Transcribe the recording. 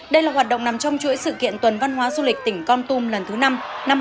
đây là hoạt động nằm trong chuỗi sự kiện tuần văn hóa du lịch tỉnh con tum lần thứ năm năm hai nghìn hai mươi